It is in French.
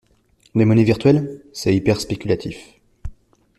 Les monnaies virtuelles? C'est hyper spéculatif.